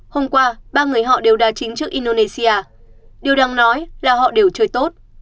hôm qua ba người họ đều đà chính trước indonesia điều đáng nói là họ đều chơi tốt